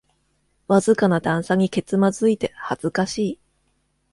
わずかな段差にけつまずいて恥ずかしい